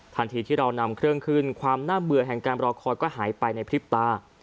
ทันทีที่เรานำเครื่องขึ้นความน่าเบื่อแห่งการรอคอยก็หายไปในพริบตา